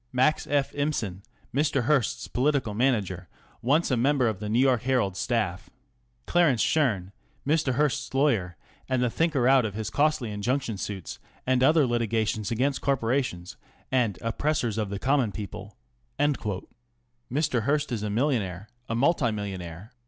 Max F. Ihmsen, Mr. Hearst's political manager ; once a member of the New York Herald* s staff. Clarence Sheam, Mr. Hearst's lawyer and the thinker out of his costly injunction suits and other litigations against corpora tions and " oppressors of the common people." Mr. Hearst is a millionaire, a multi millionaire.